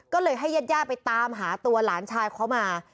ก็เลยให้ญาติญาติไปตามหาตัวหลานชายเขามา